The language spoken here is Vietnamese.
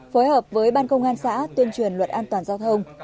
phối hợp với ban công an xã tuyên truyền luật an toàn giao thông